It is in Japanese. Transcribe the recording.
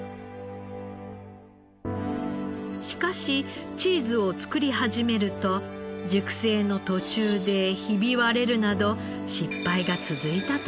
しかしチーズを作り始めると熟成の途中でひび割れるなど失敗が続いたといいます。